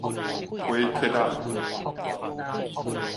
火戛仔